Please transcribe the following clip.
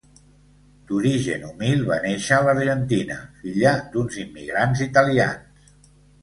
D'origen humil, va néixer a l'Argentina, filla d'uns immigrants italians.